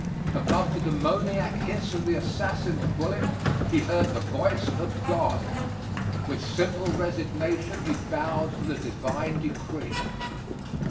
Above the demoniac hiss of the assassin's bullet he heard the voice of God. With simple resignation he bowed to the Divine decree.